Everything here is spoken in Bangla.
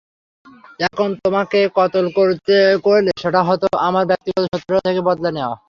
এখন তোমাকে কতল করলে সেটা হতো আমার ব্যক্তিগত শত্রুতা থেকে বদলা নেয়া।